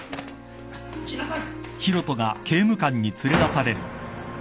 来なさい！